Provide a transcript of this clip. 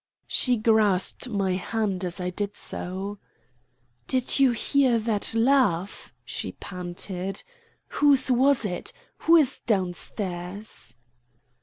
She grasped my hand as I did so. "Did you hear that laugh?" she panted. "Whose was it? Who is down stairs?"